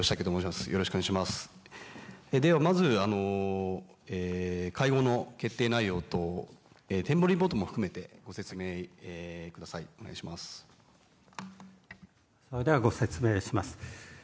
ではまず、会合の決定内容と、展望リポートも含めてご説明ください、ではご説明します。